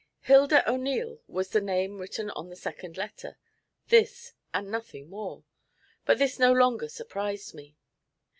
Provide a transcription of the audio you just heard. Hilda O'Neil was the name written on the second letter, this and nothing more; but this no longer surprised me.